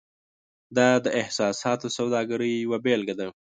دا د احساساتو سوداګرۍ یوه بیلګه ده.